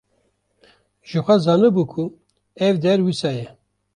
Jixwe zanibû ku ev der wisa ye.